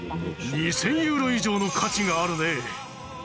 ２，０００ユーロ以上の価値があるね。